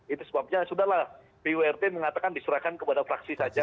itu sebabnya sudah lah purt mengatakan diserahkan kepada fraksi saja